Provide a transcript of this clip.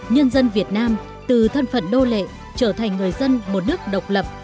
nhân dân việt nam từ thân phận đô lệ trở thành người dân một nước độc lập